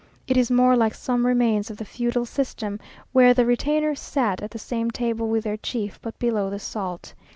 It is more like some remains of the feudal system, where the retainers sat at the same table with their chief, but below the salt.